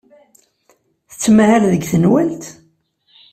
Tettmahal deg tenwalt?